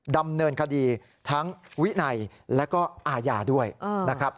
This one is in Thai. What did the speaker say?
ดำเนินคดีทั้งวินัยและก็อาญาด้วยนะครับ